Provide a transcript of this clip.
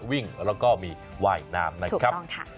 วิ่งแล้วก็มีวายนามถูกต้องค่ะ